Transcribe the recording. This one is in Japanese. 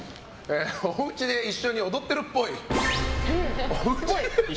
おうちで一緒に踊ってるっぽい。